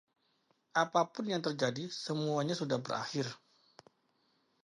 Apapun yang terjadi, semuanya sudah berakhir.